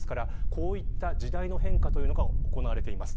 こういった時代の変化が行われています。